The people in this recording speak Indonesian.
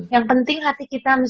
yang penting hati kita